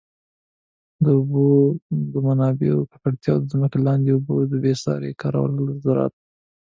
د اوبو د منابعو ککړتیا، د ځمکي لاندي اوبو بي ساري کارول په زراعت.